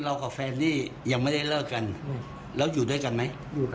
แล้วถ้าเมียใส่แล้วเป็นยังไง